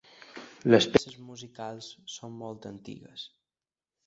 Les peces musicals són molt antigues.